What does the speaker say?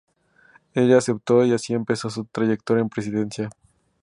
Ella aceptó y así empezó su trayectoria en Presidencia.